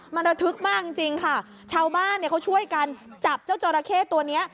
มันระทึกมากจริงจริงค่ะชาวบ้านเนี่ยเขาช่วยกันจับเจ้าจอราเข้ตัวเนี้ย